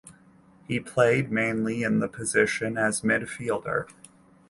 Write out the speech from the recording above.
He played mainly in the position as midfielder.